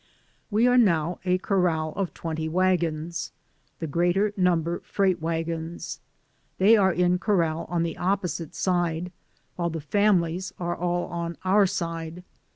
We are now a corral of twenty wagons, the greater number freight wagons ; they are in corral on the opposite side, while the fami lies are all on our side.